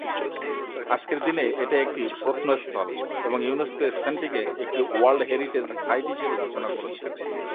আজকের দিনে এটা একটি প্রত্নস্থল এবং ইউনেস্কো স্থানটিকে একটি ওয়ার্ল্ড হেরিটেজ সাইট হিসেবে ঘোষণা করেছে।